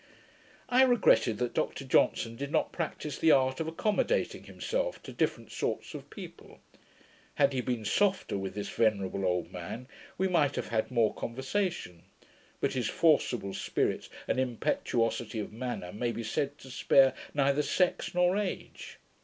I regretted that Dr Johnson did not practice the art of accommodating himself to different sorts of people. Had he been softer with this venerable old man, we might have had more conversation; but his forcible spirit; and impetuosity of manner, may be said to spare neither sex nor age.